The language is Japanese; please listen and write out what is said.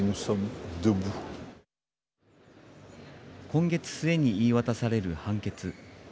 今月末に言い渡される判決。